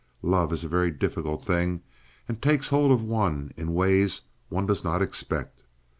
Love is a very difficult thing, and takes hold of one in ways one does not expect.